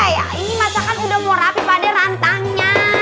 ini masa kan udah mau rapi padek rantangnya